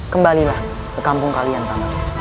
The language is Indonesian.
kembalilah ke kampung kalian taman